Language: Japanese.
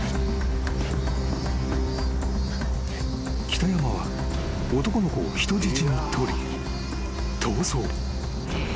［北山は男の子を人質に取り逃走］